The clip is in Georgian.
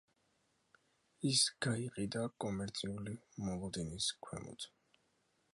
ის გაიყიდა კომერციული მოლოდინის ქვემოთ.